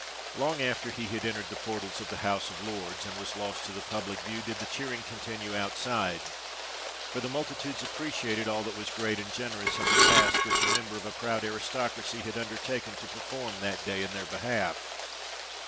Long after he had entered the portals of the House of Lords, and was lost to the public view, did the cheering continue outside; for the multitudes appreciated all that was great and generous in the task which a member of a proud aristocracy had undertaken to perform that day in their behalf.